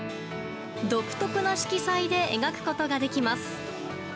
独特な色彩で描くことができます。